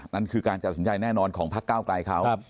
นั่นคือการจัดสินใจแน่นอนของพักเก้าไกลเขา